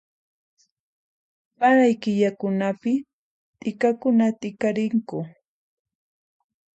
Paray killakunapi t'ikakuna t'ikarinku